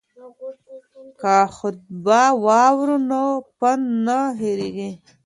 که خطبه واورو نو پند نه هیریږي.